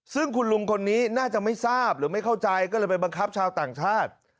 ซึ่งคุณลุงคนนี้น่าจะไม่ทราบหรือไม่เข้าใจก็เลยไปบังคับชาวต่างชาติ